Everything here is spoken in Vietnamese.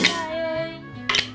giờ em đói lắm